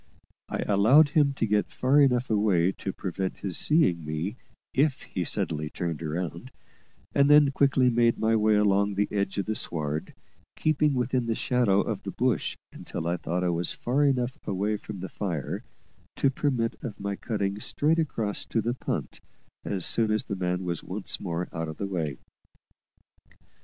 I allowed him to get far enough away to prevent his seeing me if he suddenly turned round, and then quickly made my way along the edge of the sward, keeping within the shadow of the bush until I thought I was far enough away from the fire to permit of my cutting straight across to the punt as soon as the man was once more out of the way.